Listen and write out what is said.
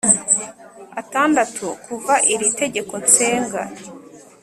atandatu kuva iri Tegeko Ngenga